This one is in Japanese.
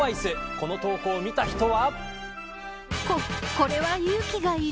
この投稿を見た人は。